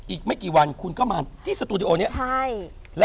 อีกไม่กี่วันคุณก็มาที่สตูดิโอนี้